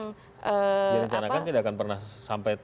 direncanakan tidak akan pernah sampai